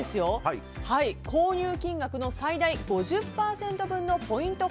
購入金額の最大５０％分のポイント